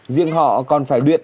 diện họ còn phải luyện